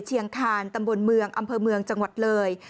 เชียงคานตำบลเมืองอำเภอเมืองจังหวัดเลย